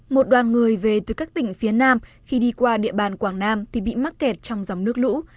một đoàn người về từ các tỉnh phía nam khi đi qua địa bàn quảng nam thì bị mắc kẹt trong dòng nước lũ